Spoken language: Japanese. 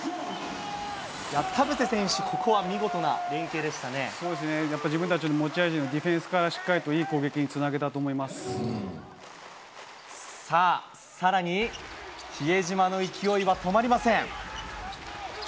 田臥選手、そうですね、やっぱり自分たちの持ち味のディフェンスからしっかりといい攻撃さあ、さらに比江島の勢いは止まりません。